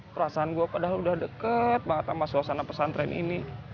perasaan gue padahal udah deket banget sama suasana pesantren ini